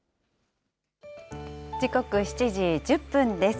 時刻７時１０分です。